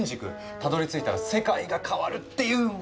たどりついたら世界が変わるっていう。